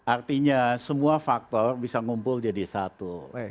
artinya semua faktor bisa ngumpul jadi satu